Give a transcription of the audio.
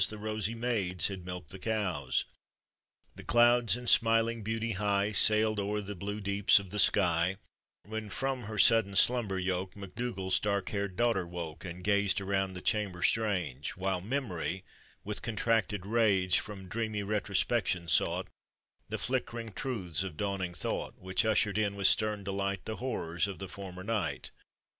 The rosy maids had milked the cows, The clouds, in smiling beauty high, Sailed o'er the blue deeps of the sky, When from her sudden slumber yoke, MacDougall's dark haired daughter woke, And gazed around the chamber strange, While memory, with contracted range, From dreamy retrospection sought The flickering truths of dawning thought Which ushered in with stern delight. The horrors of the former night.